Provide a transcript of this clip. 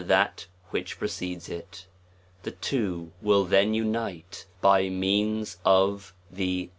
that which pre cedes it: the two will then unite, by means of the